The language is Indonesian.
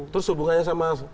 terus hubungannya sama